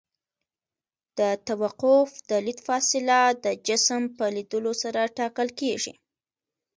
د توقف د لید فاصله د جسم په لیدلو سره ټاکل کیږي